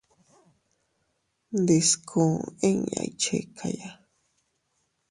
Ndiskuu inña iychikaya.